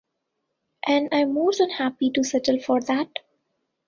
And I'm more than happy to settle for that.